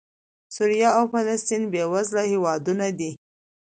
سوریه او فلسطین بېوزله هېوادونه دي.